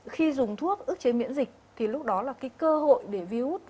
khi dùng thuốc ức chế miễn dịch thì lúc đó là cơ hội để viếu hút